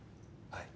はい。